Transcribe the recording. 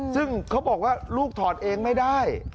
ซึ่งเขาบอกว่าลูกถอดเองไม่ได้